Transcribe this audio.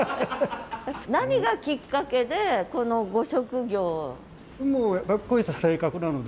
何がきっかけでこのご職業。